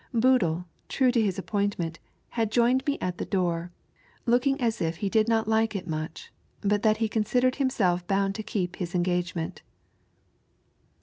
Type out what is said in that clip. Boodle, true to his appointment, had joined me at the door, looking as if he did not like it much, but that he considered himself bound to keep his engagement.